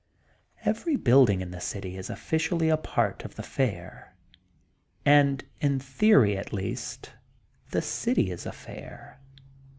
Every building in the city is officially a part of the fair and in theory at least, the City is the Fair.